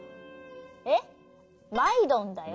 えっまいどんだよ。